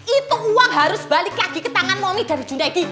itu uang harus balik lagi ke tangan mami dari junaid di